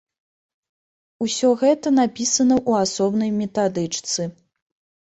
Усё гэта напісана ў асобнай метадычцы.